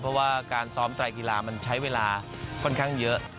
เพราะว่าการซ้อมไตรกีฬามันใช้เวลาค่อนข้างเยอะ